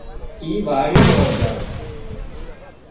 اي واڙِي مان جھا